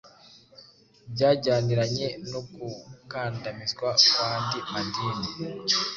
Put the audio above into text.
byajyaniranye n'ugukandamizwa kw'andi madini